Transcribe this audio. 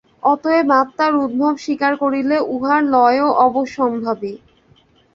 অতএব আত্মার উদ্ভব স্বীকার করিলে উহার লয়ও অবশ্যম্ভাবী।